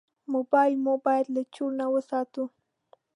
موبایل مو باید له چور نه وساتو.